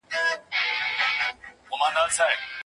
په پښتو ادب کي ډېر ښه اثار شتون لري.